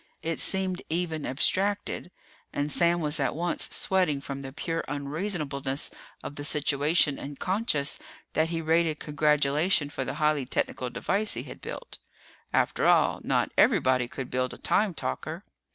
It seemed even abstracted. And Sam was at once sweating from the pure unreasonableness of the situation and conscious that he rated congratulation for the highly technical device he had built. After all, not everybody could build a time talker!